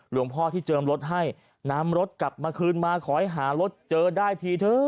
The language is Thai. หลวงพ่อที่เจิมรถให้นำรถกลับมาคืนมาขอให้หารถเจอได้ทีเถอะ